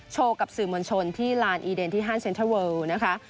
กับสื่อมวลชนที่ลานอีเดนที่ห้านเซ็นเทอร์เวิลนะคะ